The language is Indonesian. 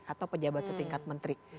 atau pejabat setingkat menteri